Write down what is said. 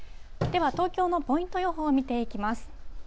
では、東京のポイント予報を見ていきます。